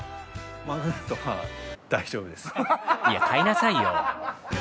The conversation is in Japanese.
いや買いなさいよ。